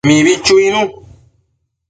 Mibi chuinu